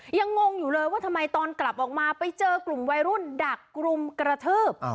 งงอยู่เลยว่าทำไมตอนกลับออกมาไปเจอกลุ่มวัยรุ่นดักกลุ่มกระทืบ